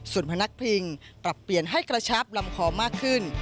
ส่วนพนักพิงปรับเปลี่ยนให้กระชับลำคอมากขึ้น